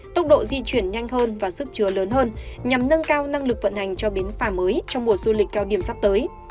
tốc độ di chuyển nhanh hơn và sức chứa lớn hơn nhằm nâng cao năng lực vận hành cho bến phà mới trong mùa du lịch cao điểm sắp tới